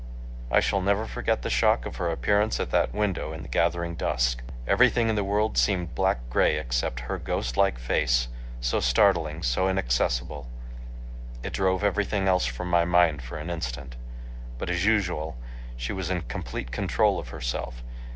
I shall never forget the shock of her appearance at that window in the gathering dusk. Everything in the world seemed black gray except her ghost like face, so startling, so inaccessible. It drove everything else from my mind for an instant. But as usual she was in complete control of herself.